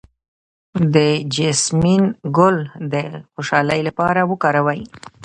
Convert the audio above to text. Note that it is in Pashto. د جیسمین ګل د خوشحالۍ لپاره وکاروئ